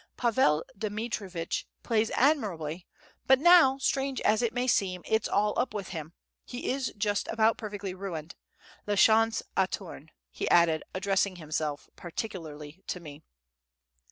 "Pavel Dmitrievitch plays admirably; but now, strange as it may seem, it's all up with him, he is just about perfectly ruined; la chance a tourne," he added, addressing himself particularly to me.